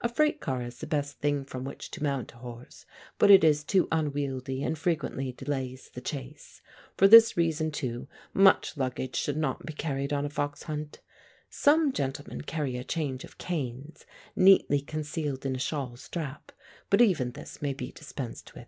A freight car is the best thing from which to mount a horse, but it is too unwieldy and frequently delays the chase. For this reason, too, much luggage should not be carried on a fox hunt. Some gentlemen carry a change of canes, neatly concealed in a shawl strap, but even this may be dispensed with.